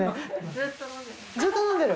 ずっと飲んでる？